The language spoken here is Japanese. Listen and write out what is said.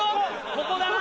ここだろ？